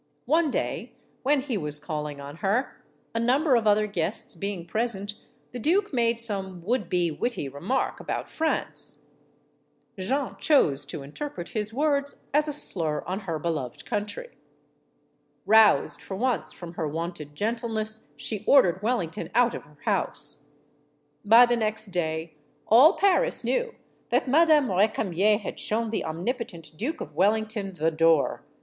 One day, when he was calling on her, a number of other guests being present, the duke made some would be witty remark about France. Jeanne chose to interpret his words as a slur on her beloved country. Roused for once from her wonted gentleness, she ordered Wellington out of her house. By the next day all Paris knew that Madame Re camier had shown the omnipotent Duke of Wellington the door.